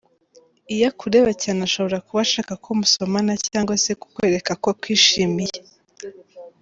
Iyo akureba cyane ashobora kuba ashaka ko musomana cyangwa se kukwereka ko akwishimiye.